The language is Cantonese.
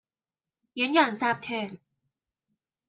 遠洋集團